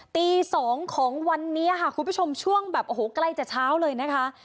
ตี๒ของวันนี้ค่ะคุณผู้ชมช่วงแบบโอ้โหใกล้จะเช้าเลยนะคะ